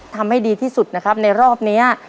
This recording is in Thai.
ทำให้ดีที่สุดนะครับในรอบนี้